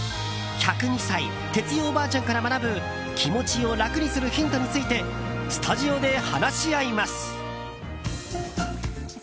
１０２歳哲代おばあちゃんから学ぶ気持ちを楽にするヒントについてスタジオで話し合います。